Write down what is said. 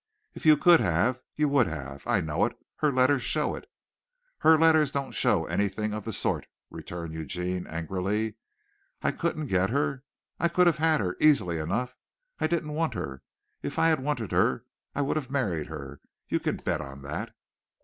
If you could have, you would have. I know it. Her letters show it." "Her letters don't show anything of the sort," returned Eugene angrily. "I couldn't get her? I could have had her, easily enough. I didn't want her. If I had wanted her, I would have married her you can bet on that."